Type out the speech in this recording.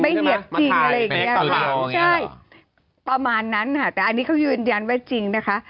ไม่เหยียบจริงอะไรอย่างนี้นะคะใช่ประมาณนั้นนะคะแต่เค้ายืนยันว่าจริงนะคะ